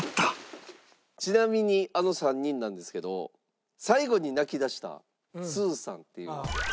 ちなみにあの３人なんですけど最後に泣き出したすうさんっていう女の子が。